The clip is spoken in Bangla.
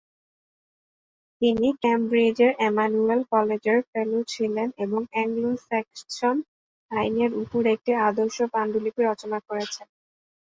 তিনি ক্যামব্রিজের এমানুয়েল কলেজের ফেলো ছিলেন এবং অ্যাংলো স্যাক্সন আইনের উপর একটি আদর্শ পান্ডুলিপি রচনা করেছেন।